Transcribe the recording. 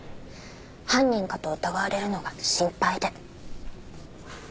犯人かと疑われるのが心配で。